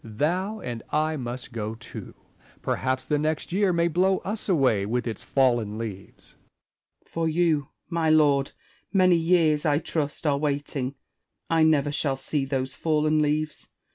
Thou and I must go too. Perhaps the next year may blow us away with its fallen leaves, Spenser. For you, my lord, many years (I trust) are waiting : I never shall see those fallen leaves.